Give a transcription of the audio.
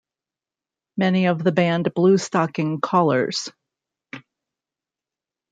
Many of the band Bluestocking Callers